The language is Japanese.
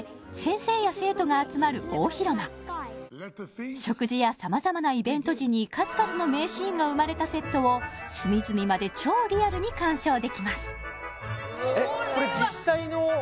先生や生徒が集まる大広間食事や様々なイベント時に数々の名シーンが生まれたセットを隅々まで超リアルに鑑賞できます